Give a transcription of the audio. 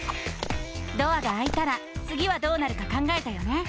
ドアがあいたらつぎはどうなるか考えたよね？